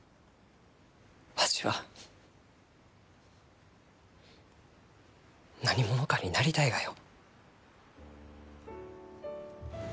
わしは何者かになりたいがよ。